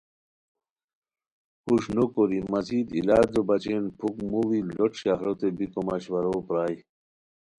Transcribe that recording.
ہوݰ نوکوری مزید علاجو بچین پُھک موڑی لُوٹ شہروتین بیکو مشورو پرائے